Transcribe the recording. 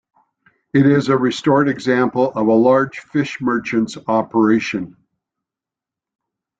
It is a restored example of a large fish merchant's operation.